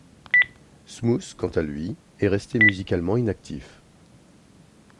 Smooth, quant à lui, est resté musicalement inactif.